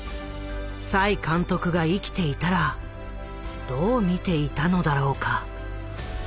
栽監督が生きていたらどう見ていたのだろうか。